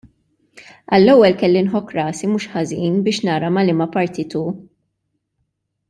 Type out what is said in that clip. Għall-ewwel kelli nħokk rasi mhux ħażin biex nara ma' liema partit hu.